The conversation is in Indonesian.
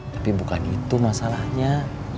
tapi bukan itu masalahnya